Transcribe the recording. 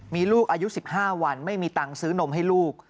มีลูกอายุ๑๕วันไม่มีตังค์ซื้อนมให้ลูก